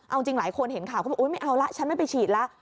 เอาจริงหลายคนเห็นข่าวก็ไม่เอาละฉันไม่ไปฉีดละ